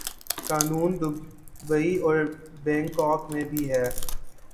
قانون دوبئی اور بنکاک میں بھی ہے۔